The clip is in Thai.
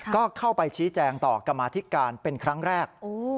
ก็เข้าไปชี้แจงต่อกรรมาธิการเป็นครั้งแรก